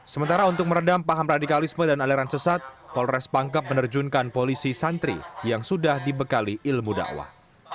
sementara untuk meredam paham radikalisme dan aliran sesat polres pangkep menerjunkan polisi santri yang sudah dibekali ilmu dakwah